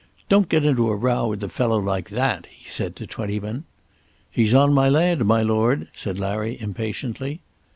"Don't get into a row with a fellow like that," he said to Twentyman. "He's on my land, my lord," said Larry impatiently.